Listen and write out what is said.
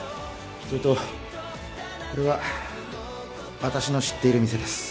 それとこれは私の知っている店です